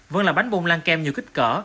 vẫn là bánh bông lan kem nhiều kích cỡ